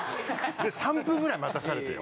３分ぐらい待たされてよ。